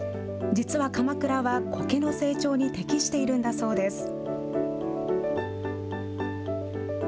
実は鎌倉は、こけの成長に適しているんだそうです。